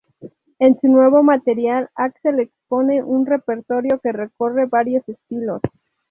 En su nuevo material, Axel expone un repertorio que recorre varios estilos.